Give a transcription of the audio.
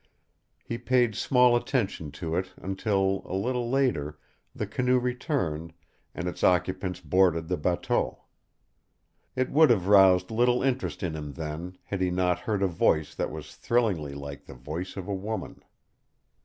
He paid small attention to it until, a little later, the canoe returned, and its occupants boarded the bateau. It would have roused little interest in him then had he not heard a voice that was thrillingly like the voice of a woman.